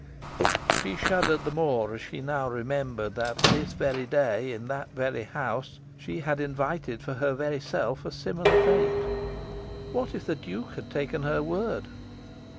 She shuddered the more as she now remembered that this very day, in that very house, she had invited for her very self a similar fate. What if the Duke had taken her word?